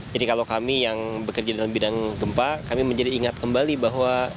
jadi kalau kami yang bekerja dalam bidang gempa kami menjadi ingat kembali bahwa